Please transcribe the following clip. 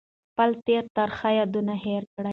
خپل تېر ترخه یادونه هېر کړئ.